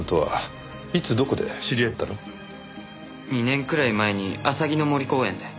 ２年くらい前にあさぎの森公園で。